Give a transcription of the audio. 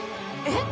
えっ！？